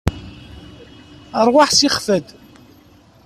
Ṛwaḥ, sixef-d.